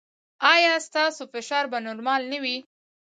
ایا ستاسو فشار به نورمال نه وي؟